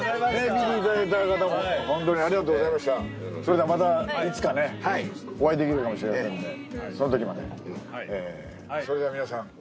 見ていただいた方もホントにありがとうございましたそれではまたいつかねお会いできるかもしれませんのでその時までそれでは皆さん